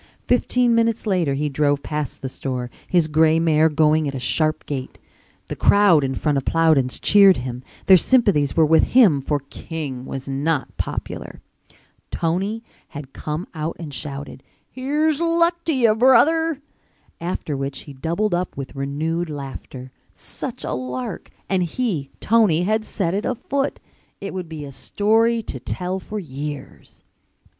Fifteen minutes later he drove past the store, his gray mare going at a sharp gait. The crowd in front of Plowden's cheered him, their sympathies were with him for King was not popular. Tony had come out and shouted, "Here's luck to you, brother," after which he doubled up with renewed laughter. Such a lark! And he, Tony, had set it afoot! It would be a story to tell for years.